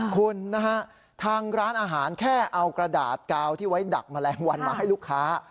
คุณนะฮะทางร้านอาหารแค่เอากระดาษกาวที่ไว้ดักแมลงวันมาให้ลูกค้า